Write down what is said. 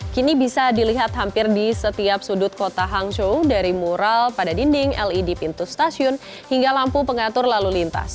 kini bisa dilihat hampir di setiap sudut kota hangzhou dari mural pada dinding led pintu stasiun hingga lampu pengatur lalu lintas